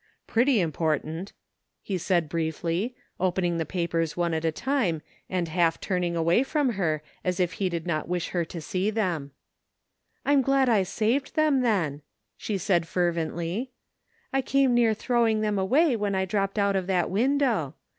"Pretty important," he said briefly, opening the papers one at a time and half turning away from her as if he did not wish her to see them. " I'm glad I saved them, then," she said fervently. " I came near throwing them away when I dropped 108 THE FINDING OF JASPER HOLT out of that window.